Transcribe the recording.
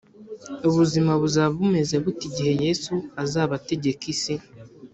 Ubuzima buzaba bumeze bute igihe yesu azaba ategeka isi